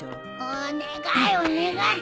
お願いお願い。